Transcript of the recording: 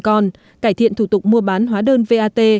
cải thiện thủ tục mua bán hóa đơn vat